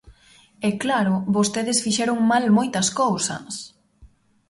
E, claro, vostedes fixeron mal moitas cousas.